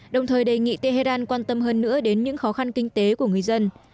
đồng thời đề nghị tehran quan tâm hơn nữa đến những khó khăn kinh tế của người dân